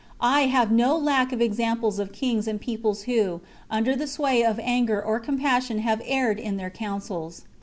I have no lack of examples of kings and peoples who, under the sway of anger or compassion have erred in their counsels.